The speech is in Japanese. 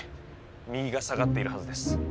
右が下がっているはずです。